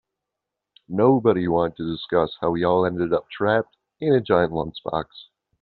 Nobody wanted to discuss how we all ended up trapped in a giant lunchbox.